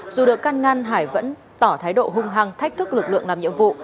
dù được căn ngăn hải vẫn tỏ thái độ hung hăng thách thức lực lượng làm nhiệm vụ